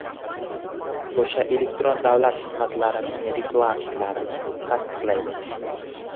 o‘sha elektron davlat xizmatlarining reglamentlarini tasdiqlaydi;